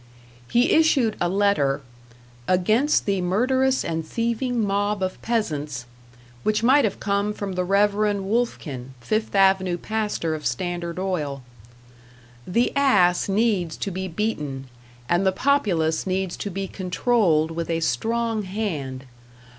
He issued a letter: "Against the Murderous and Thieving Mob of Peasants," which might have come from the Reverend Woelfkin, Fifth Avenue Pastor of Standard Oil: "The ass needs to be beaten, and the populace needs to be controlled with a strong hand.